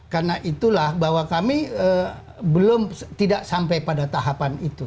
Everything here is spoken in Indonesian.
karena itulah bahwa kami belum tidak sampai pada tahapan itu